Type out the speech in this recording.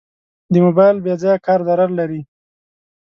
د موبایل بېځایه کار ضرر لري.